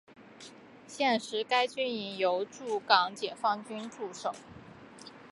现时该军营由驻港解放军驻守。